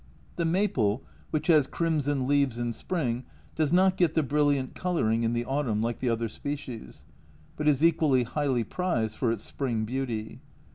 The maple, which has crimson leaves in spring, does not get the brilliant colouring in the autumn, like the other species, but is equally highly prized for its spring beauty.